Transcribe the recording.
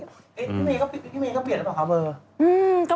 พี่เมย์ก็เปลี่ยนแล้วกับความรัก